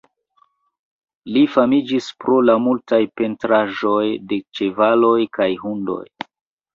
Li famiĝis pro la multaj pentraĵoj de ĉevaloj kaj hundoj.